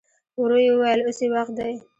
ورو يې وويل: اوس يې وخت دی.